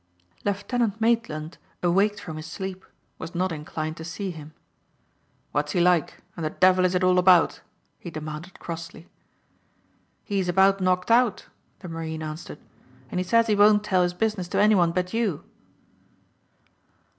Lieutenant Maitland awaked from his sleep was not inclined to see him. "What's he like and the devil is it all about?" he demanded crossly. "He's about knocked out," the marine answered, "and he says he won't tell his business to anyone but you."